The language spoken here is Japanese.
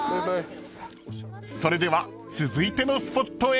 ［それでは続いてのスポットへ］